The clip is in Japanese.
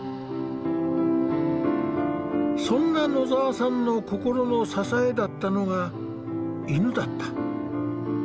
そんな野澤さんの心の支えだったのが犬だった。